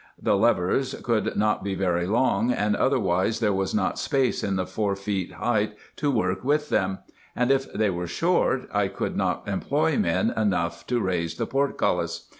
The levers could not be very long, other wise there was not space in the four feet height to work with them ; and if they were short, I could not employ men enough to raise the portculbs.